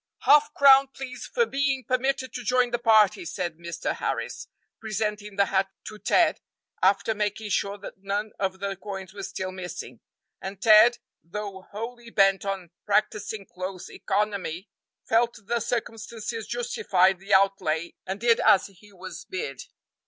"Half crown, please, for being permitted to join the party," said Mr. Harris, presenting the hat to Ted, after making sure that none of the coins were still missing; and Ted, though wholly bent on practising close economy, felt the circumstances justified the outlay, and did as he was bid.